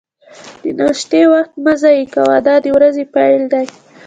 د ناشتې وخت مه ضایع کوه، دا د ورځې پیل دی.